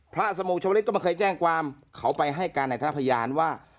สมงชวริสก็ไม่เคยแจ้งความเขาไปให้การในฐานะพยานว่า